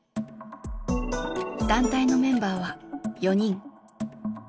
団体のメンバーは４人。